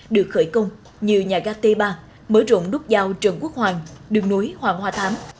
được khởi công như nhà gác t ba mới rộng núp giao trần quốc hoàng đường núi hoàng hoa thám